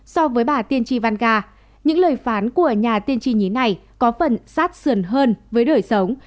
so với bà tiền trì muvanga những lời phán của nhà tiền trì nhí này có phần sát sườn hơn với đời sống